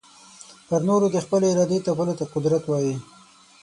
پر نورو د خپلي ارادې تپلو ته قدرت وايې.